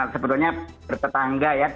sebetulnya bertetangga ya